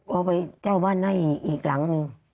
เอาไปเจ้าบ้านให้อีกหลังหนึ่ง